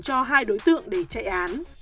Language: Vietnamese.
cho hai đối tượng để chạy án